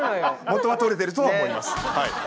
もとは取れてるとは思います。